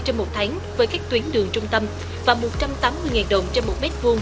trong một tháng với các tuyến đường trung tâm và một trăm tám mươi đồng trên một mét vuông